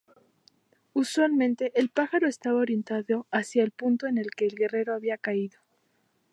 Usualmente el pájaro estaba orientado hacia el punto en que el guerrero había caído.